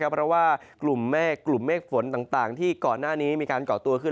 เพราะว่ากลุ่มเมฆฝนต่างที่ก่อนหน้านี้มีการเกาะตัวขึ้น